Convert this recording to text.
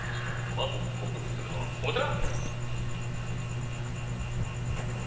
まず克服するのはこちら。